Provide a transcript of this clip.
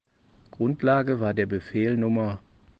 Grundlage war der Befehl Nr.